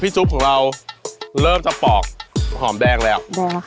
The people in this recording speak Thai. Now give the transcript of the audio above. จุ๊บของเราเริ่มจะปอกหอมแดงแล้ว